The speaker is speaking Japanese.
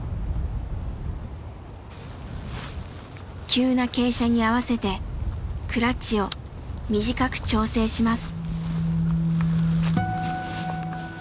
急な傾斜に合わせてクラッチを短く調整します。